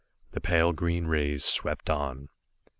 The pale green rays swept on.